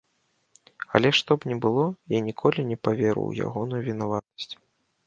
Але што б ні было, я ніколі не паверу ў ягоную вінаватасць.